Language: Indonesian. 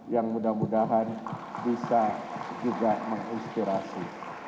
yang mudah mudahan bisa juga menginspirasi